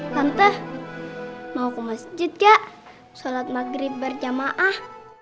tante mau ke masjid gak sholat maghrib berjamaah